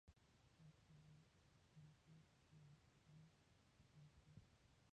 په څاه کې د جانکو چيغه تاو راتاو شوه.